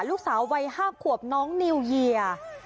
ลูกสาววัยห้าขวบน้องพี่นิว